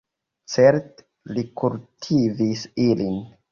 Certe li kultivis ilin.